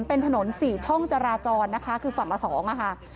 เป็นถนน๔ช่องจราจรนะคะคือฝั่งละ๒ค่ะ